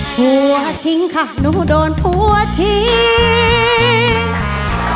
ผัวทิ้งค่ะหนูโดนผัวทิ้ง